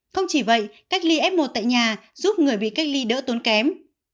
không chỉ vậy cách ly f một tại nhà giúp người bị cách ly đỡ tốn kém